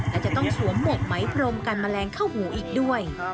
และจะต้องสวมหมวกไหมพรมกันแมลงเข้าหูอีกด้วย